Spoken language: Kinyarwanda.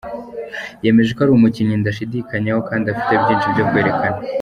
Yemeza ko ari umukinnyi ndashidikanyaho kandi afite byinshi byo kwerekana.